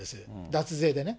脱税でね。